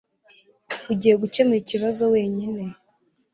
Ngiye gukemura ikibazo wenyine.